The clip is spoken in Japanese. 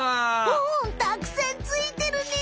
おおたくさんついてるね！